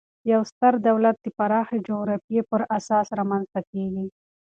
یو ستر دولت د پراخي جغرافیې پر اساس رامنځ ته کیږي.